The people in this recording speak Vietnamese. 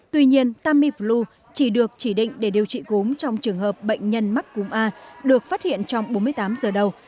tuy nhiên tamiflu chỉ được chỉ định để điều trị gốm trong trường hợp bệnh nhân mắc cúm a được phát hiện trong bốn mươi tám giờ đầu